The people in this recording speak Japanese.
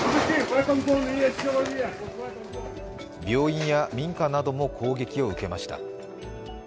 病院や民家も攻撃を受けました。